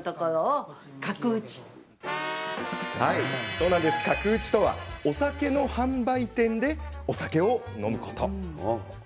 そう、角打ちとはお酒の販売店でお酒を飲むこと。